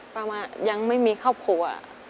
ประมาณยังไม่มีครอบครัว